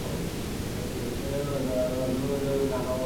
প্রতিষ্ঠানটি মাধ্যমিক ও উচ্চ মাধ্যমিক শিক্ষা বোর্ড, ঢাকা, বাংলাদেশ অনুমোদিত।